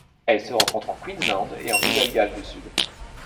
Elle se rencontre en Queensland et en Nouvelle-Galles du Sud.